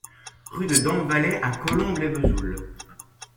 Rue de Dampvalley à Colombe-lès-Vesoul